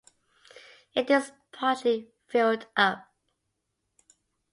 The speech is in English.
It is partly filled up.